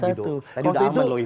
tadi udah amat loh ini loh